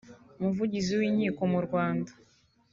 umuvugizi w’inkiko mu Rwanda